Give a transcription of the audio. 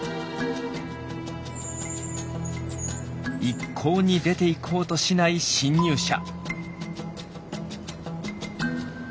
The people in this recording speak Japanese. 一向に出て行こうとしない侵入者。